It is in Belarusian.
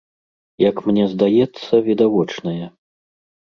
Як мне здаецца, відавочная.